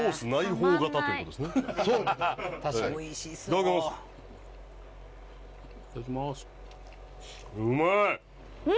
・うまい！